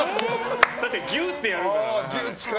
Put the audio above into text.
確かにギュッとやるから。